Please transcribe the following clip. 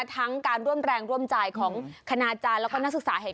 ทั้งการร่วมแรงร่วมใจของคณาจารย์แล้วก็นักศึกษาเห็น